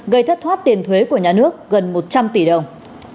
gây thất thoát tiền thuế của nhà nước gần một trăm linh tỷ đồng